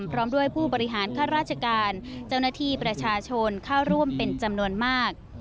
พร้อมด้วยผู้บริหารข้าราชการเจ้าหน้าที่ประชาชนเข้าร่วมเป็นจำนวนมาก